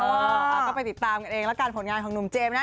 ก็ไปติดตามกันแล้วกันผลงานของนุมเจมส์นะ